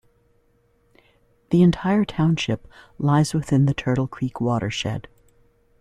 The entire township lies within the Turtle Creek Watershed.